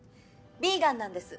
ビーガンなんです。